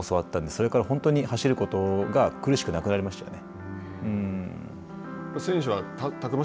それから本当に走ることが苦しくなくなりましたよね。